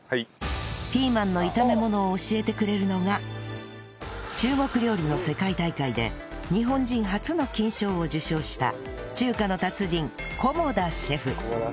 ピーマンの炒め物を教えてくれるのが中国料理の世界大会で日本人初の金賞を受賞した中華の達人菰田シェフ